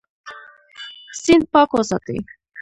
سیند پاک وساتئ.